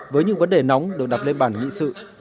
với những vấn đề nóng được đặt lên bản nghị sự